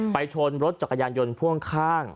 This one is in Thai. ชนรถจักรยานยนต์พ่วงข้าง